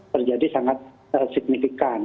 terjadi sangat signifikan